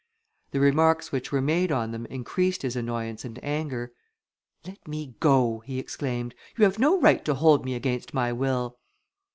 The remarks which were made on them increased his annoyance and anger. "Let me go!" he exclaimed, "you have no right to hold me against my will."